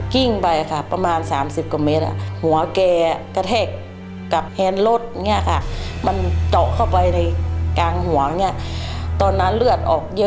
พิ่งไปประมาณสามสิบกว่าเมตร